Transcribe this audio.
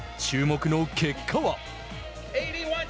注目の結果は。